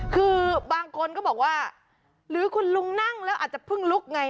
คือบางคนก็บอกว่าหรือคุณลุงนั่งแล้วอาจจะเพิ่งลุกไง